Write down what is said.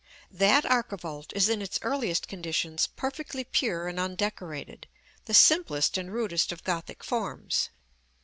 That archivolt is in its earliest conditions perfectly pure and undecorated, the simplest and rudest of Gothic forms.